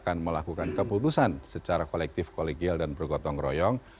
dan akan melakukan keputusan secara kolektif kolegial dan bergotong royong